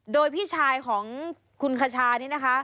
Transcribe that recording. โดยพี่ชายของคุณคชานี่นะคะ